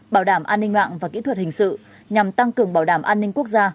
bảo đảm an ninh mạng và kỹ thuật hình sự nhằm tăng cường bảo đảm an ninh quốc gia